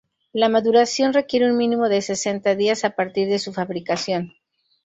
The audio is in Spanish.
La maduración requiere un mínimo de sesenta días a partir de su fabricación.